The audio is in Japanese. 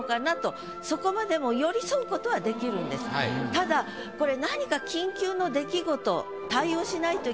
ただこれ。